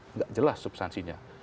nggak jelas substansinya